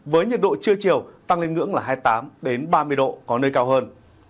với nhiệt độ trưa chiều tăng lên ngưỡng là hai mươi tám ba mươi độ có nơi cao hơn